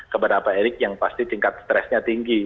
kepada pak erik yang pasti tingkat stresnya tinggi